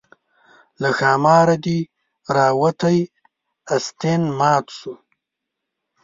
له ښاماره دې راوتى استين مات شو